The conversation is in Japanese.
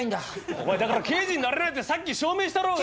お前だから刑事になれないってさっき証明したろうがよ！